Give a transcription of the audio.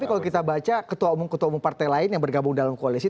tapi kalau kita baca ketua umum ketua umum partai lain yang bergabung dalam koalisi